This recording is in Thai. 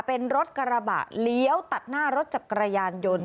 เป็นรถกระบะเลี้ยวตัดหน้ารถจักรยานยนต์